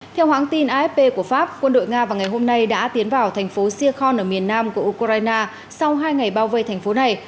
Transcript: theo hãng tin afp của pháp quân đội nga vào ngày hôm nay đã tiến vào thành phố sir ở miền nam của ukraine sau hai ngày bao vây thành phố này